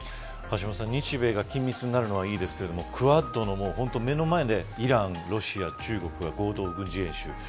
橋下さん、日米が緊密になるのはいいですけれどもクアッドの目の前でイランロシア、中国が合同軍事演習。